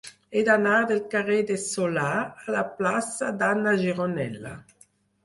He d'anar del carrer de Solà a la plaça d'Anna Gironella.